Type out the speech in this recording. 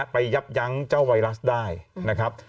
ยับยั้งเจ้าไวรัสได้นะครับ